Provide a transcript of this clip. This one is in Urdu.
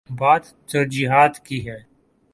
بات ترجیحات کی ہے۔